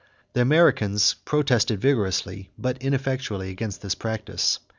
The Americans protested vigorously but ineffectually against this practice.